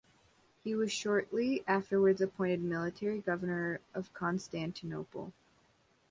He was shortly afterwards appointed Military Governor of Constantinople.